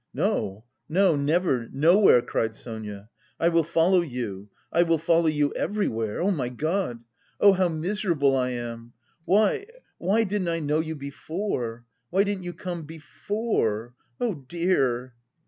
"No, no, never, nowhere!" cried Sonia. "I will follow you, I will follow you everywhere. Oh, my God! Oh, how miserable I am!... Why, why didn't I know you before! Why didn't you come before? Oh, dear!"